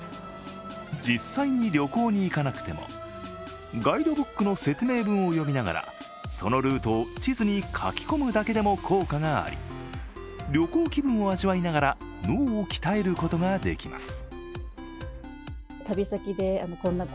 実際に旅行に行かなくても、ガイドブックの説明文を読みながらそのルートを地図に書き込むだけでも効果があり旅行気分を味わいながら、脳を鍛えることができます。